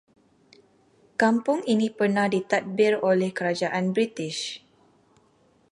Kampung ini pernah ditadbir oleh kerajaan british